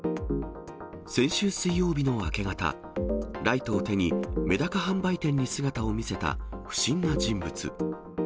先週水曜日の明け方、ライトを手に、めだか販売店に姿を見せた不審な人物。